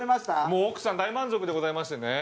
もう奥さん大満足でございましてね。